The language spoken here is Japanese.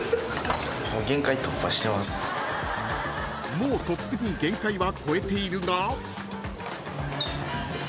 ［もうとっくに限界は超えているが］